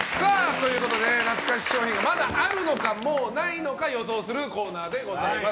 ということで懐かし商品がまだあるのかもうないのか予想するコーナーでございます。